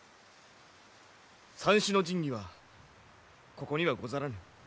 三種の神器はここにはござらぬ。